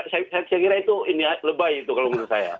saya kira itu lebay itu kalau menurut saya